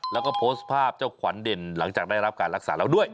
แล้วก็โพสต์ภาพเจ้าขวัญเด่นหลังจากได้รับการรักษาแล้วด้วย